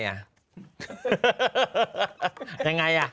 ฮึยฮื้ย